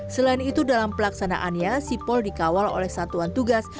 selain itu dalam pelaksanaannya sipol dikawal oleh satuan tugas